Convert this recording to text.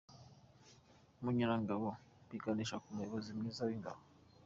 Munyurangabo biganisha ku muyobozi mwiza w’ingabo.